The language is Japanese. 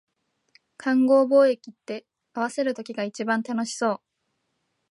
勘合貿易って、合わせる時が一番楽しそう